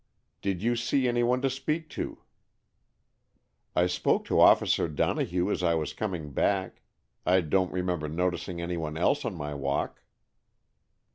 "Did you see any one to speak to?" "I spoke to Officer Donohue as I was coming back. I don't remember noticing any one else on my walk."